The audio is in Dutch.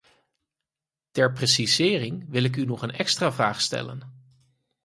Ter precisering wil ik u nog een extra vraag stellen.